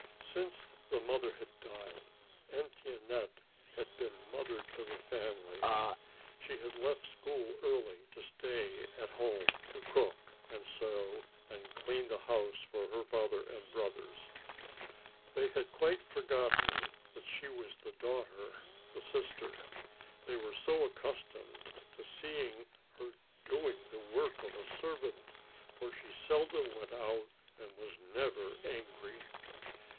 Since the mother had died, Etiennette had been mother to the family. She had left school early to stay at home to cook and sew and clean the house for her father and brothers. They had quite forgotten that she was the daughter, the sister; they were so accustomed to seeing her doing the work of a servant, for she seldom went out and was never angry.